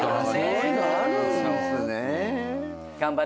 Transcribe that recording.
そういうのあるんですね。